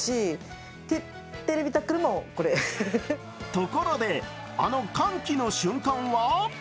ところで、あの歓喜の瞬間は？